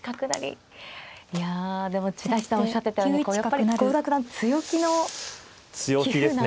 いやでも千田七段おっしゃってたようにやっぱり郷田九段強気の棋風なんですね。